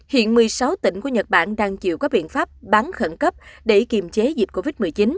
hiện một mươi sáu tỉnh của nhật bản đang chịu các biện pháp bán khẩn cấp để kiềm chế dịch covid một mươi chín